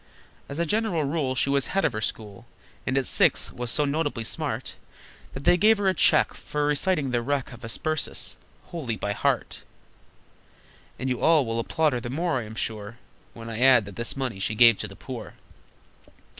As a general rule She was head of her school, And at six was so notably smart That they gave her a cheque For reciting "The Wreck Of the Hesperus," wholly by heart! And you all will applaud her the more, I am sure, When I add that this money she gave to the poor.